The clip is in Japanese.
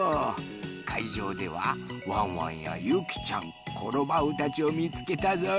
かいじょうではワンワンやゆきちゃんコロバウたちをみつけたぞい。